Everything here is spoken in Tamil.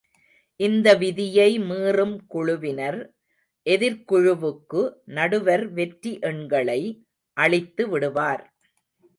இந்த விதியை மீறும் குழுவினர் எதிர்க்குழுவுக்கு நடுவர் வெற்றி எண்களை அளித்து விடுவார்.